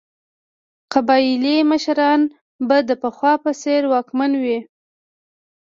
قبایلي مشران به د پخوا په څېر واکمن وي.